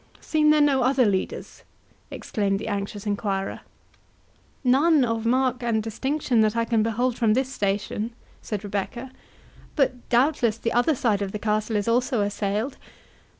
"Seem there no other leaders?" exclaimed the anxious enquirer. "None of mark and distinction that I can behold from this station," said Rebecca; "but, doubtless, the other side of the castle is also assailed.